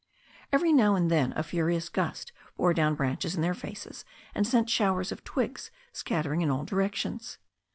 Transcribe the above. Every now and then a furious gust bore down branches in their faces, and sent showers of twigs scattering in all directions.